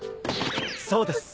そうです。